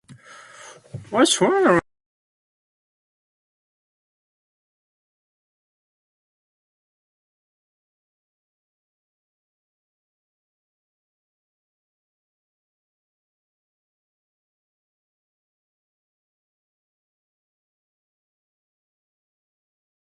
Blanchefleur becomes the wife of Pippin, while Garin remains her faithful servant.